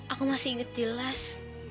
aku masih ingat jelas